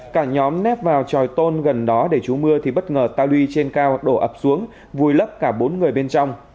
cả nhóm nếp vào tròi tôn gần đó để trú mưa thì bất ngờ ta lui trên cao độ ập xuống vùi lấp cả bốn người bên trong